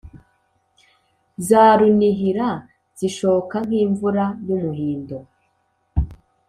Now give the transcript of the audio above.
Za runihira zishoka nk'imvura y'umuhindo